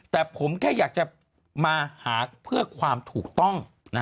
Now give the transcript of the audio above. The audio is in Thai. แต่ผมแค่อยากจะมาหาเพื่อความถูกต้อง